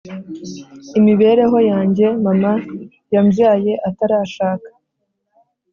Imibereho yanjye mama yambyaye atarashaka